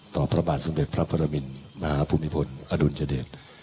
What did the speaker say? ต่อพระบาทสำเด็จพระพระมิญมหาภูมิพลอดุลเจดช์